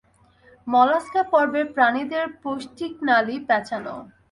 Mollusca পর্বের প্রাণীদের পৌষ্টিকনালি প্যাঁচানো।